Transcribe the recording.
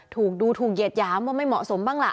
ถูกดูถูกเหยียดหยามว่าไม่เหมาะสมบ้างล่ะ